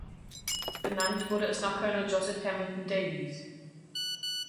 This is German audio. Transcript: Benannt wurde es nach Colonel Joseph Hamilton Daviess.